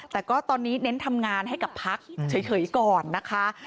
แต่ก็ตอนนี้เน้นทำงานให้กับพักเฉยก่อนนะคะ